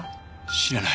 知らない。